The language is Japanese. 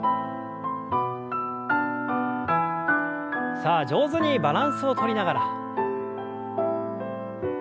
さあ上手にバランスをとりながら。